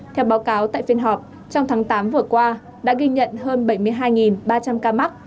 theo báo cáo tại phiên họp trong tháng tám vừa qua đã ghi nhận hơn bảy mươi hai ba trăm linh ca mắc